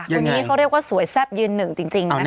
คนนี้เขาเรียกว่าสวยแซ่บยืนหนึ่งจริงนะคะ